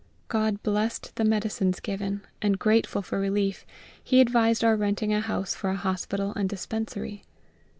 GOD blessed the medicines given, and grateful for relief, he advised our renting a house for a hospital and dispensary.